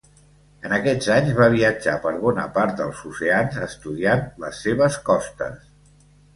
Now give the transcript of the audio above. En aquests anys va viatjar per bona part dels oceans estudiant les seves costes.